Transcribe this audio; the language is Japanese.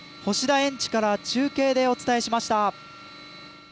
園地から中継でお伝えしました。